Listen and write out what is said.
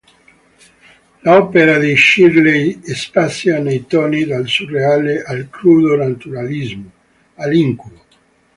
L'opera di Shirley spazia nei toni dal surreale, al crudo naturalismo, all'incubo.